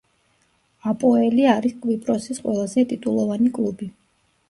აპოელი არის კვიპროსის ყველაზე ტიტულოვანი კლუბი.